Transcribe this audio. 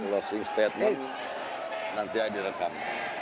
nanti saya direkam